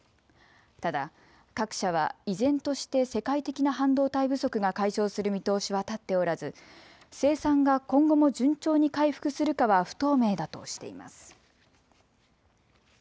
ただ各社は依然として世界的な半導体不足が解消する見通しは立っておらず生産が今後も順調に回復するかは不透明だとしています。